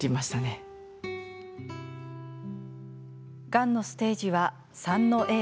がんのステージは、３のＡ。